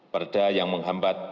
perda yang menghambat